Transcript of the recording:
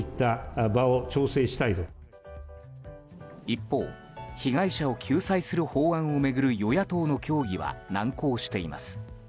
一方、被害者を救済する法案を巡る与野党の協議は難航しています。